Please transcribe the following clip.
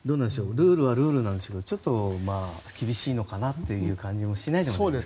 ルールはルールなんですけどちょっと厳しいのかなという感じはしないでもない。